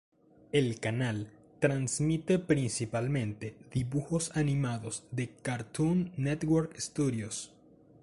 El canal transmite principalmente dibujos animados de Cartoon Network Studios.